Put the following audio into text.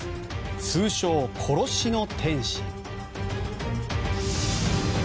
通称・殺しの天使。